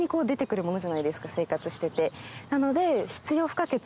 なので。